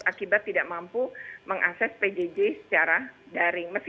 akibat tidak mampu mengakses pjj secara daring